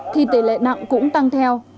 thì tỷ lệ nặng cũng tăng theo